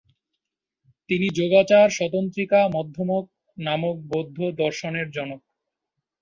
তিনি যোগাচার-স্বতন্ত্রিকা-মধ্যমক নামক বৌদ্ধ দর্শনের জনক।